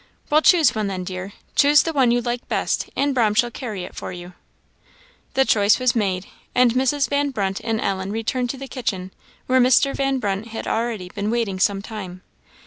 "Well, choose one then, dear choose the one you like best, and 'Brahm shall carry it for you." The choice was made, and Mrs. Van Brunt and Ellen returned to the kitchen, where Mr. Van Brunt had already been waiting some time.